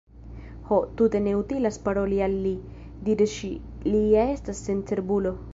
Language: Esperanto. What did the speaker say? "Ho, tute ne utilas paroli al li," diris ŝi, "li ja estas sencerbulo."